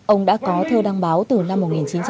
ông đã có thơ đăng báo từ năm một nghìn chín trăm bảy mươi